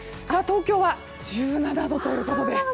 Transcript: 東京は１７度ということで。